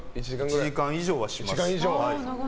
１時間以上はします。